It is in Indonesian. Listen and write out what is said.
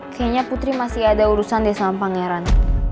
kayaknya putri masih ada urusan deh sama pangeran